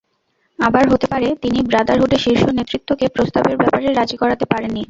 আবার হতে পারে, তিনি ব্রাদারহুডের শীর্ষ নেতৃত্বকে প্রস্তাবের ব্যাপারে রাজি করাতে পারেননি।